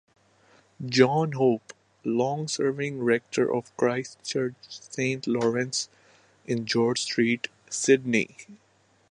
John Hope, long-serving rector of Christ Church Saint Laurence in George Street, Sydney.